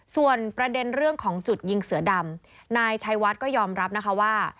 ส่วนประเด็นเรื่องของจุดยิงเสือดำนายชัยวัดก็ยอมรับนะคะว่า